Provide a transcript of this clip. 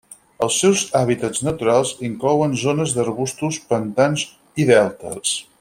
Els seus hàbitats naturals inclouen zones d'arbustos, pantans i deltes.